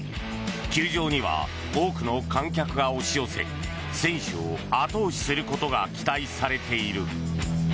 球場には多くの観客が押し寄せ選手を後押しすることが期待されている。